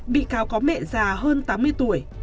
bị cáo có mẹ già hơn tám mươi tuổi